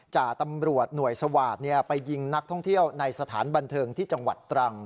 จ่าตำรวจหน่วยสวาสตร์ไปยิงนักท่องเที่ยวในสถานบันเทิงที่จังหวัดตรัง